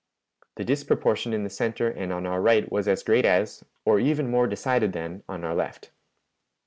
The disproportion in the center and on our right was as great as, or even more decided than, on our left."